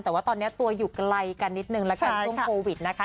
แต่ว่าตอนนี้ตัวอยู่ไกลกันนิดนึงละกันช่วงโควิดนะคะ